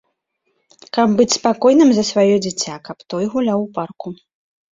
Каб быць спакойным за сваё дзіця, каб той гуляў у парку.